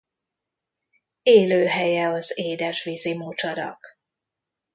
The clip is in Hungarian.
Élőhelye az édes vízi mocsarak.